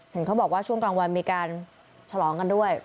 เห็นเขาบอกว่าช่วงกลางวันมีการฉลองกันด้วย